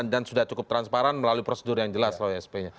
dan sudah cukup transparan melalui prosedur yang jelas loh sp nya